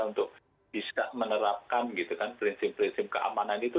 untuk bisa menerapkan prinsip prinsip keamanan itu